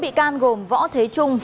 bốn bị can gồm võ thế trung